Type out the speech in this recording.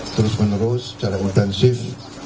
terus menerus secara intensif